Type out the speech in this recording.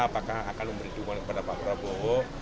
apakah akan memberi dukungan kepada pak prabowo